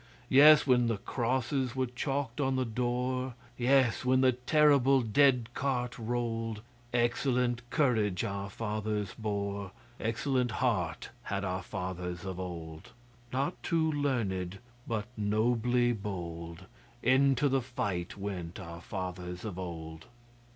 Yes, when the crosses were chalked on the door Yes, when the terrible dead cart rolled, Excellent courage our fathers bore Excellent heart had our fathers of old. Not too learned, but nobly bold, Into the fight went our fathers of old.